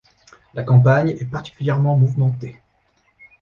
La campagne est particulièrement mouvementée.